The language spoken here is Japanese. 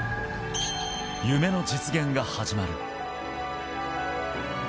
夢の実現が始まる。